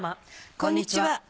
こんにちは。